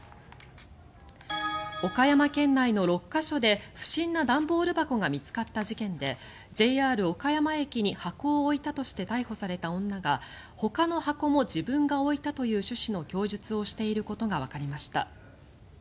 岡山県内の６か所で不審な段ボール箱が見つかった事件でＪＲ岡山駅に箱を置いたとして逮捕された女がほかの箱も自分が置いたという趣旨の供述をしていることがわかりました。